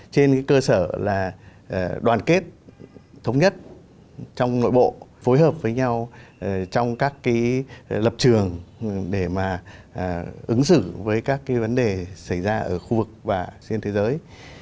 trên cơ sở là đoàn kết thống nhất trong nội bộ phối hợp với nhau trong các lập trường để ứng xử với các vấn đề xảy ra ở khu vực và trên thế giới